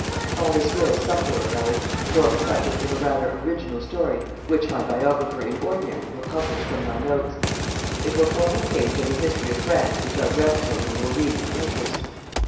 "All this will, some day or other, form the subject of a rather original story which my biographer in ordinary will publish from my notes. It will form a page of the history of France which our grandchildren will read with interest.